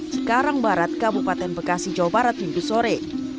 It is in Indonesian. cikarang barat kabupaten bekasi jawa barat minggu sore